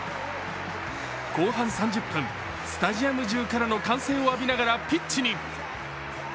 後半３０分、スタジアム中からの歓声を浴びながらピッチに。